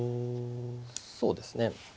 そうですね。